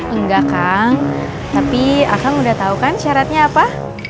enggak kang tapi kang udah tau kan syaratnya apa